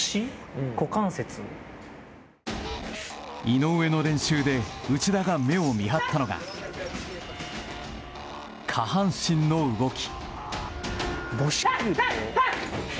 井上の練習で内田が目を見張ったのが下半身の動き。